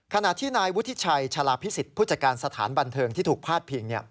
ขณะที่นายวุฒิชัยชาลาพิสิทธิ์ผู้จัดการสถานบันเทิงที่ถูกพาดพิง